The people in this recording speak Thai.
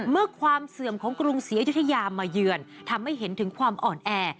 เมื่อความเสื่อมของกรุงศรีอยุธยามาเยือนทำให้เห็นถึงความอ่อนแอ